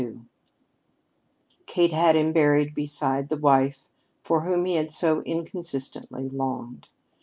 XXII Kate had him buried beside the wife for whom he had so inconsistently longed.